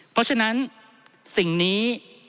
ท่านประธานครับนี่คือสิ่งที่สุดท้ายของท่านครับ